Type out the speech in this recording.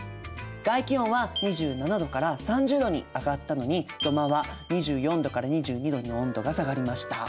外気温は２７℃から３０℃に上がったのに土間は２４℃から２２℃に温度が下がりました。